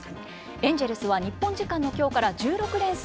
エンジェルスは日本時間のきょうから１６連戦。